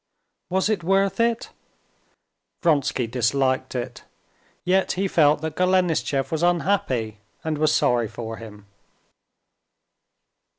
Was it worth it? Vronsky disliked it, yet he felt that Golenishtchev was unhappy, and was sorry for him.